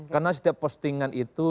karena setiap postingan itu